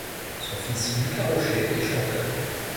Son fils Lucas Rocher est chanteur.